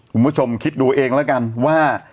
คุณผู้ชมคิดดูเองแล้วกันว่า